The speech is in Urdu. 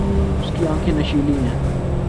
اس کی آنکھیں نشیلی ہیں۔